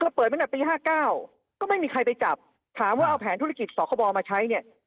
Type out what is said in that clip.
เปิดมาตั้งแต่ปี๕๙ก็ไม่มีใครไปจับถามว่าเอาแผนธุรกิจสคบมาใช้เนี่ย